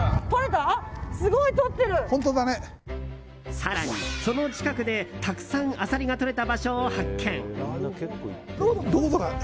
更に、その近くでたくさんアサリがとれた場所を発見。